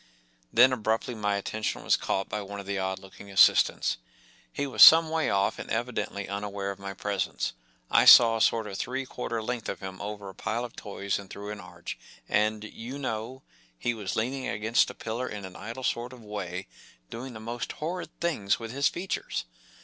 Then abruptly my attention was caught by one of the odd looking assistants. He was some way off and evidently unaware of my presence—I saw a sort of three quarter length of him over a pile of toys and through an arch—and, you know, he was leaning against a Original from UNIVERSITY OF MICHIGAN THE MAGIC SHOP. 639 pillar in an idle sort of way doing the most horrid things with his features